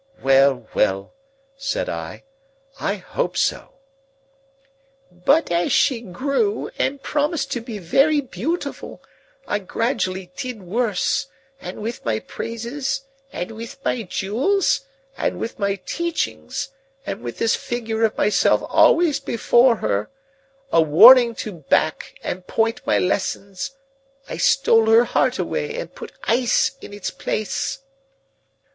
"Well, well!" said I. "I hope so." "But as she grew, and promised to be very beautiful, I gradually did worse, and with my praises, and with my jewels, and with my teachings, and with this figure of myself always before her, a warning to back and point my lessons, I stole her heart away, and put ice in its place."